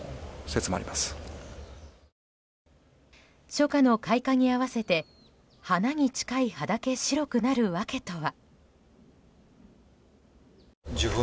初夏の開花に合わせて花に近い葉だけ白くなる訳とは。